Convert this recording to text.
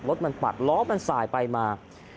รถมันปัดล้อมันสายไปมา